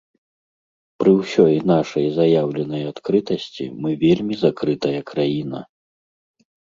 Пры ўсёй нашай заяўленай адкрытасці мы вельмі закрытая краіна.